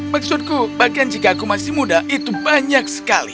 maksudku bahkan jika aku masih muda itu banyak sekali